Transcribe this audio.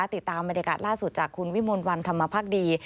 ติดตามบรรยากาศล่าสุดจากคุณวิมลวันธรรมภักดี